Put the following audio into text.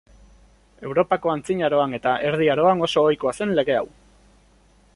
Europako Antzinaroan eta Erdi Aroan oso ohikoa zen lege hau.